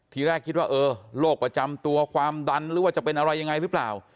ทีแรกคิดว่าเออโรคประจำตัวความดันหรือว่าจะเป็นอะไรยังไงหรือเปล่า